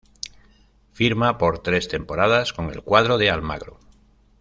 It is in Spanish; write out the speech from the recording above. Firma por tres temporadas con el cuadro de Almagro.